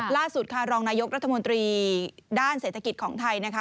ล่าสุดค่ะรองนายกรัฐมนตรีด้านเศรษฐกิจของไทยนะคะ